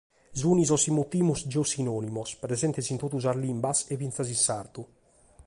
Sunt sos chi mutimus ‘geosinònimos’, presentes in totu sas limbas, e finas in sardu.